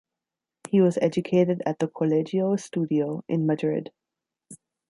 He was educated at the "Colegio Estudio" in Madrid.